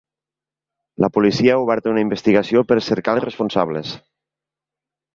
La policia ha obert una investigació per a cercar els responsables.